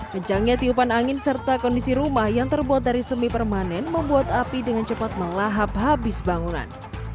kencangnya tiupan angin serta kondisi rumah yang terbuat dari semi permanen membuat api dengan cepat melahap habis bangunan